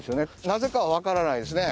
なぜかはわからないですね。